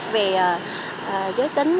về giới tính